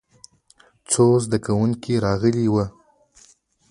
څو زده کوونکي راغلي وو.